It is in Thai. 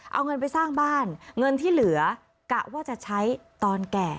เอาเงินไปสร้างบ้านเงินที่เหลือกะว่าจะใช้ตอนแก่